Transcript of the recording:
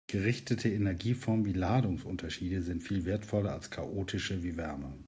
Gerichtete Energieformen wie Ladungsunterschiede sind viel wertvoller als chaotische wie Wärme.